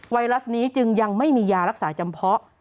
ไรัสนี้จึงยังไม่มียารักษาจำเพาะ